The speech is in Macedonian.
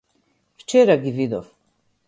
Вчера ги видов.